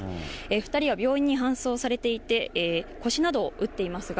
２人は病院に搬送されていて、腰などを打っていますが、